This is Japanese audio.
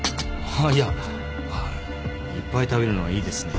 あっいっぱい食べるのはいいですね。